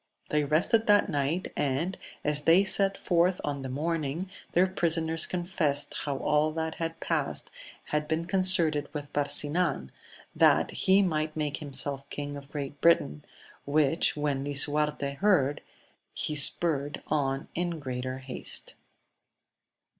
They reste that night ; and, as they set forth on the morning their prisoneia coiiie^«»^^\v^^ ^\^^\ia.^>^'^ss&^\sa AMADIS OF GAUL, 203 been concerted with Barsinan, that he might make himself king of Great Britain ; which, when Lisuarte heard, he spurred on in greater haste.